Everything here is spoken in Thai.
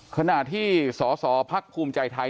ขณะที่สสพักภูมิใจไทย